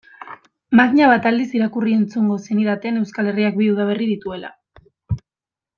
Makina bat aldiz irakurri-entzungo zenidaten Euskal Herriak bi udaberri dituela.